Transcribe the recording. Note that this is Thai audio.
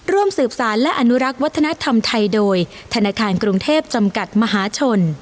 ร่วมสืบสารและอนุรักษ์วัฒนธรรมไทยโดยธนาคารกรุงเทพจำกัดมหาชน